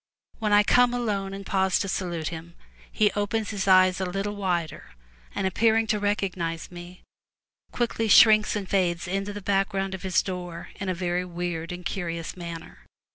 When I come alone and pause to salute him, he opens his eyes a little wider, and, appearing to recognize me, quickly shrinks and fades into the background of his door in a very weird and curious manner.